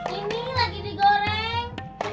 ini lagi digoreng